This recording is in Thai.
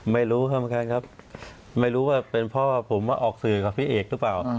ไม่รู้เหมือนกันครับไม่รู้ว่าเป็นเพราะว่าผมมาออกสื่อกับพี่เอกหรือเปล่า